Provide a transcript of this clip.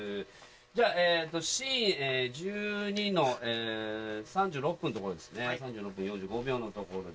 じゃあシーン１２の３６分のところですね３６分４５秒のところです。